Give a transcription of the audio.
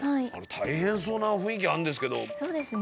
大変そうな雰囲気あるんですけどそうですね